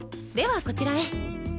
ではこちらへ。